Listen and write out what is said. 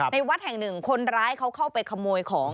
วัดแห่งหนึ่งคนร้ายเขาเข้าไปขโมยของ